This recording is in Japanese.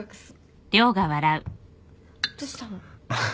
どしたの？